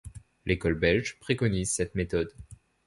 L'école belge préconise cette méthode.